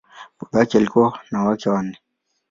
Baba yake alikuwa na wake wanne.